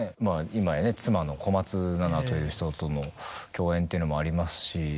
今やね妻の小松菜奈という人との共演っていうのもありますし。